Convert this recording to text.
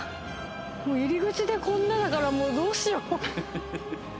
入り口でこんなだからどうしよう。